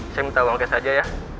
saya minta uang cash aja ya